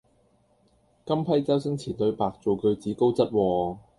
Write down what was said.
今批周星馳對白做句子高質喎